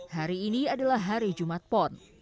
hari ini adalah hari jumat pon